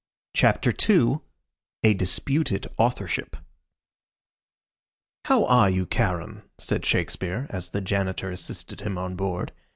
CHAPTER II: A DISPUTED AUTHORSHIP "How are you, Charon?" said Shakespeare, as the Janitor assisted him on board.